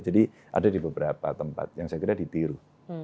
jadi ada di beberapa tempat yang saya kira ditiru